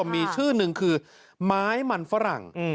มีชื่อหนึ่งคือไม้มันฝรั่ง